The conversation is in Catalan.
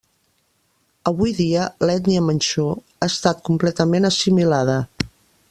Avui dia, l'ètnia manxú ha estat completament assimilada.